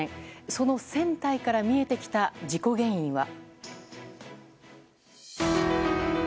その船体から見えてきた事故原因は。